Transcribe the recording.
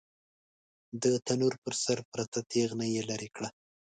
د تنور پر سر پرته تېغنه يې ليرې کړه.